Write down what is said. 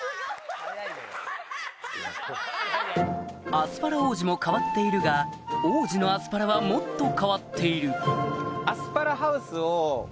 アスパラ王子も変わっているが王子のアスパラはもっと変わっているいや